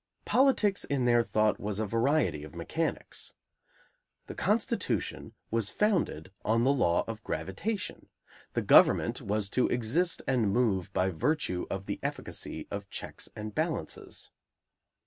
Politics in their thought was a variety of mechanics. The Constitution was founded on the law of gravitation. The government was to exist and move by virtue of the efficacy of "checks and balances."